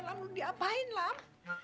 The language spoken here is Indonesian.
lo diapain lam